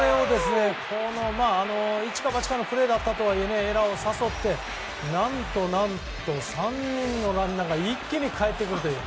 一か八かのプレーだったとはいえエラーを誘って何と何と、３人のランナーが一気にかえってくるという。